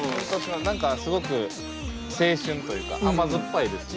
何かすごく青春というか甘酸っぱいですね。